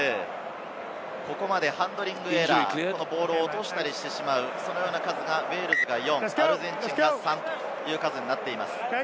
ここまでハンドリングエラー、ボールを落としたりしてしまう、その数がウェールズは４、アルゼンチンは３です。